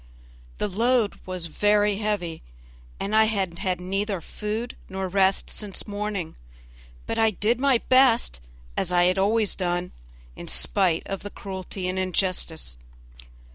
The load was very heavy and I had had neither food nor rest since morning; but I did my best, as I always had done, in spite of cruelty and injustice.